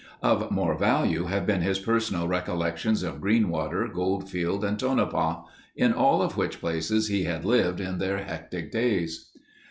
Of more value, have been his personal recollections of Greenwater, Goldfield, and Tonopah, in all of which places he had lived in their hectic days.